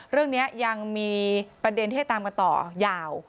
เรื่องนี้ยังมีประเด็นที่ให้ตามกันต่อยาว